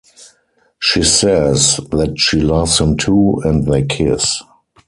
She says that she loves him too, and they kiss.